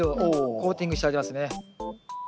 コーティングしてありますね。